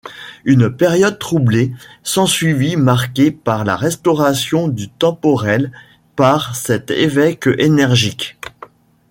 Une période troublée s’ensuivit, marquée par la restauration du temporel par cet évêque énergique.